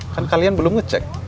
kan kalian belum ngecek